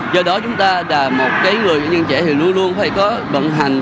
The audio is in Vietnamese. do đó chúng ta là một cái người doanh nhân trẻ thì luôn luôn phải có vận hành